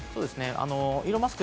イーロン・マスク